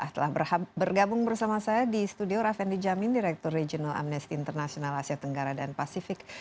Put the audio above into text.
telah bergabung bersama saya di studio raffendi jamin direktur regional amnesty international asia tenggara dan pasifik